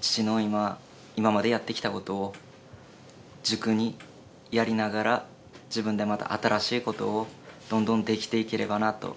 父の今今までやってきたことを軸にやりながら自分でまた新しいことをどんどんできていければなと。